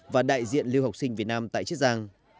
và đại diện lưu học sinh việt nam tại chiết giang